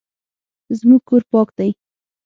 زموږ کور پاک دی